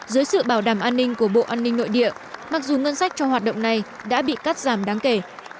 dưới sự bảo đảm an ninh của bộ an ninh nội địa mặc dù ngân sách cho hoạt động này đã bị cắt giảm đáng kể